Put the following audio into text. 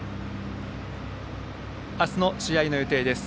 明日の試合の予定です。